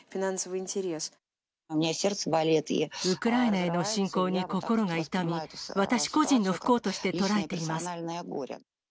ウクライナへの侵攻に心が痛み、私個人の不幸として捉えています。